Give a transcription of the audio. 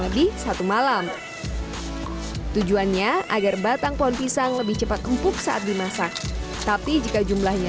lebih satu malam tujuannya agar batang pohon pisang lebih cepat empuk saat dimasak tapi jika jumlahnya